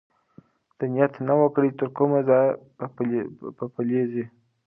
ده نیت نه و کړی چې تر کومه ځایه به پلی ځي.